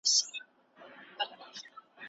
تاسو به هره ورځ په پاکه فضا کي وګرځئ.